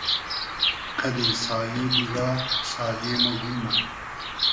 قئدی سایې دیگا سایې مۉ گومۂ